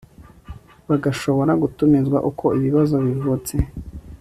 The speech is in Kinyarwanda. bagashobora gutumizwa uko ibibazo bivutse